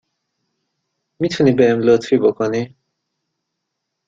می توانی به من لطفی بکنی؟